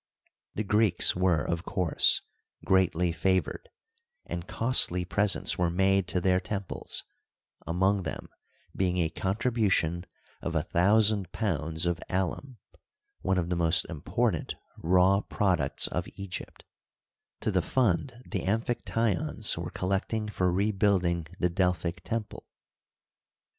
The Greeks were, of course, greatly favored; and costly presents were made to their temples, among them being a contribution of a thousand pounds of alum, one of the most important raw products of Egypt, to the fund the Amphictyons were collecting for rebuilding the Del Digitized byCjOOQlC THE EGYPTIAN RENAISSANCE. I33 ?hic temple.